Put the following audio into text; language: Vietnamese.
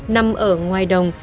nằm ở ngoài đồng